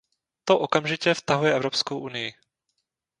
To okamžitě vtahuje Evropskou unii.